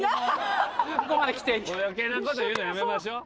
もう余計なこと言うのやめましょう。